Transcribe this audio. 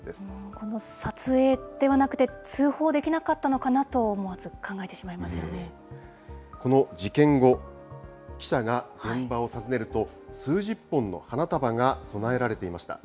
この撮影ではなくて、通報できなかったのかなと、この事件後、記者が現場を訪ねると、数十本の花束が供えられていました。